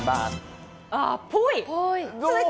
あー、ぽい。